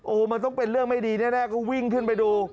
โอ้โหมันต้องเป็นเรื่องไม่ดีแน่ก็วิ่งขึ้นไปดู